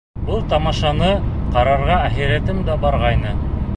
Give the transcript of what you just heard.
Был тамашаны ҡарарға әхирәтем дә барғайны.